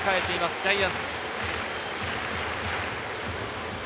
ジャイアンツ。